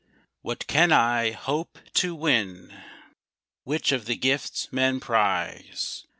What can I hope to win? Which of the gifts men prize?